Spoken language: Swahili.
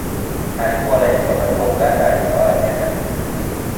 Alikua raisi wa tatu wa Uganda alitawala miaka tisa